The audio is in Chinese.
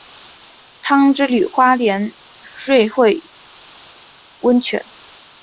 汤之旅花莲瑞穗温泉